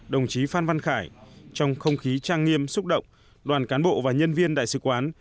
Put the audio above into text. đồng chí phan văn khải trong không khí trang nghiêm xúc động đoàn cán bộ và nhân viên đại sứ quán